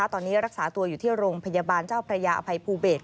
ตอนนี้รักษาตัวอยู่ที่โรงพยาบาลเจ้าพระยาอภัยภูเบศ